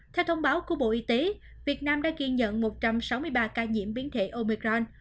theo thông báo của bộ y tế việt nam đã ghi nhận một trăm sáu mươi ba ca nhiễm biến thể omicron